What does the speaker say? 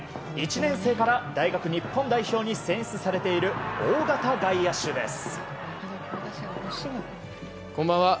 １年生から大学日本代表に選出されている大型外野手です。